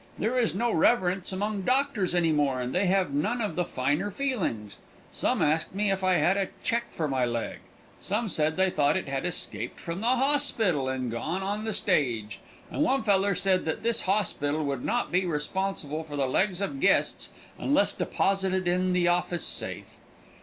There is no reverence among doctors any more and they have none of the finer feelings. Some asked me if I had a check for my leg. Some said they thought it had escaped from the hosspital and gone on the stage, and one feller said that this hosspital would not be responsible for the legs of guests unless deposited in the office safe.